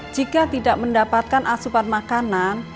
jika tidak mendapatkan asupan makanan